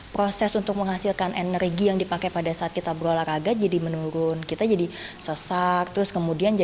proses untuk menghasilkan energi yang dipakai pada saat kita berolahraga jadi menurun kita jadi sesak terus kemudian